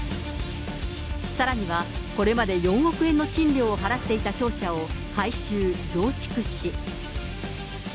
さらには、これまで４億円の賃料を払っていた庁舎を改修・増築し。